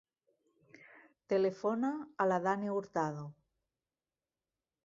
Telefona a la Dània Hurtado.